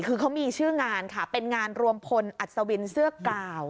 คือเขามีชื่องานค่ะเป็นงานรวมพลอัศวินเสื้อกาว